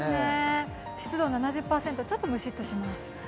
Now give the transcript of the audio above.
湿度７０％、ちょっとむしっとします。